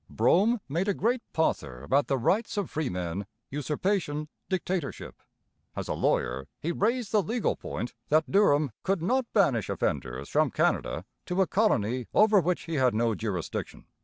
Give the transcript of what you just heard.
Brougham made a great pother about the rights of freemen, usurpation, dictatorship. As a lawyer he raised the legal point, that Durham could not banish offenders from Canada to a colony over which he had no jurisdiction.